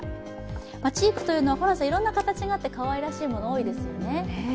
チークというのはいろいろなものがあってかわいらしいもの、多いですよね。